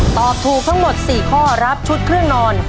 ตอบถูกทั้งหมด๔ข้อรับชุดเครื่องนอน